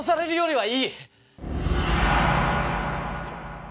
はい。